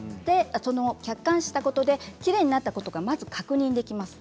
客観視したことできれいになったことが確認できます。